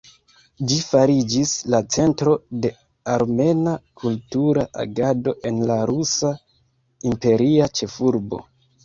Ĝi fariĝis la centro de armena kultura agado en la rusa imperia ĉefurbo.